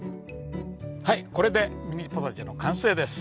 はいこれでミニポタジェの完成です！